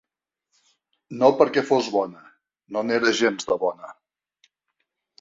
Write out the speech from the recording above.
No perquè fos bona; no n’era gens, de bona.